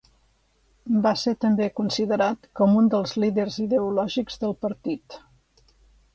Va ser també considerat com un dels líders ideològics del partit.